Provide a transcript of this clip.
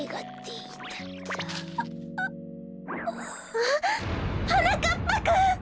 あっはなかっぱくん！